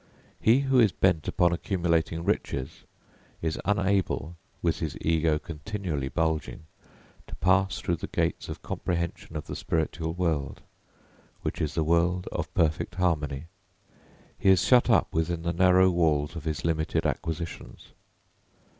He who is bent upon accumulating riches is unable, with his ego continually bulging, to pass through the gates of comprehension of the spiritual world, which is the world of perfect harmony; he is shut up within the narrow walls of his limited acquisitions.